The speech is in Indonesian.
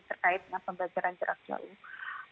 terkait dengan pembelajaran jarak jauh